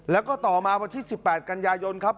แล้วก็ต่อมาวันที่๑๘กันยายนครับ